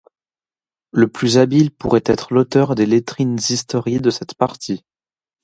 Le plus habile pourrait être l'auteur des lettrines historiées de cette partie.